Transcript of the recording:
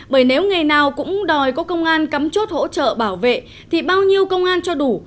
bởi nếu ngày nào cũng đòi có công an cắm chốt hỗ trợ bảo vệ thì bao nhiêu công an cho đủ